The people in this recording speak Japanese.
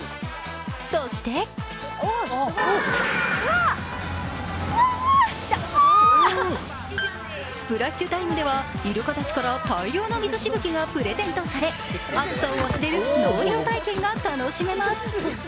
そしてスプラッシュタイムではイルカたちから大量の水しぶきがプレゼントされ暑さを忘れる納涼体験が楽しめます。